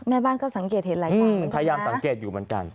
แม่บ้านก็สังเกตเห็นหลายฝ่ายมันพยายามสังเกตอยู่เหมือนกัน